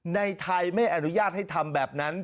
ในไทยไม่อนุญาตให้ทำแบบนั้น